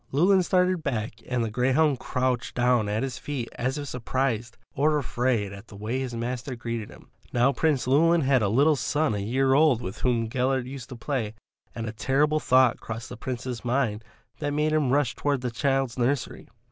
Llewelyn started back and the greyhound crouched down at his feet as if surprised or afraid at the way his master greeted him. Now Prince Llewelyn had a little son a year old with whom Gellert used to play, and a terrible thought crossed the Prince's mind that made him rush towards the child's nursery.